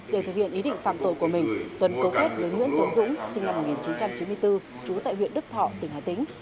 để thực hiện ý định phạm tội của mình tuấn cấu kết với nguyễn tiến dũng sinh năm một nghìn chín trăm chín mươi bốn trú tại huyện đức thọ tỉnh hà tĩnh